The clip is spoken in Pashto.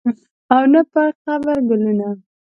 او نه پرقبر ګلونه